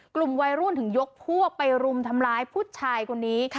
กลุ่มวัยรุ่นถึงยกพวกไปรุมทำร้ายผู้ชายคนนี้